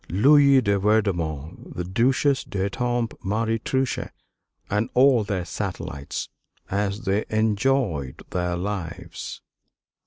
Louise de Vaudemont; the Duchesse d'Étampes; Marie Touchet; and all their satellites, as they enjoyed their lives.